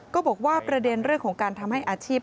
ก็บอกว่าประเด็นเรื่องของการทำให้อาชีพ